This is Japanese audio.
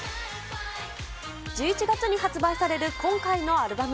１１月に発売される今回のアルバム。